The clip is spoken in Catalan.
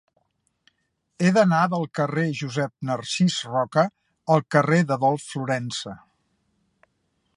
He d'anar del carrer de Josep Narcís Roca al carrer d'Adolf Florensa.